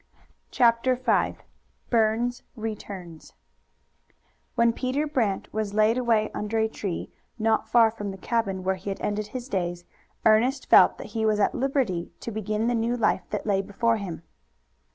CHAPTER V BURNS RETURNS When Peter Brant was laid away under a tree not far from the cabin where he had ended his days Ernest felt that he was at liberty to begin the new life that lay before him.